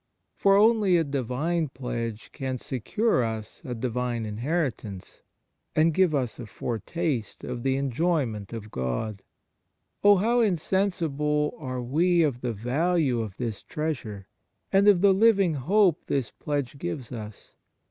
For only a Divine pledge can secure us a Divine in heritance, and give us a foretaste of the enjoyment of God. Oh, how insensible are we of the value of this treasure, and of the living hope this pledge gives us